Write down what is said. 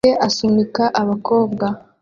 Se asunika abakobwa